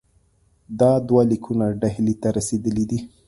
دا دوه لیکونه ډهلي ته رسېدلي دي.